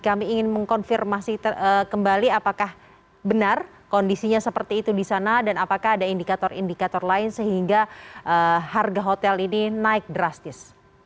kami ingin mengkonfirmasi kembali apakah benar kondisinya seperti itu di sana dan apakah ada indikator indikator lain sehingga harga hotel ini naik drastis